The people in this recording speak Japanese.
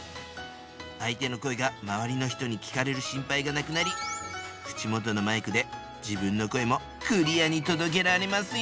相手の声が周りの人に聞かれる心配がなくなり口元のマイクで自分の声もクリアに届けられますよ。